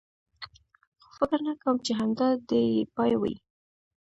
خو فکر نه کوم، چې همدا دی یې پای وي.